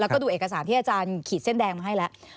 แล้วก็ดูเอกสารที่อาจารย์ขีดเส้นแดงมาให้แล้ว